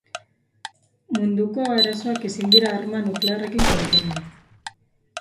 Munduko arazoak ezin dira arma nuklearrekin konpondu.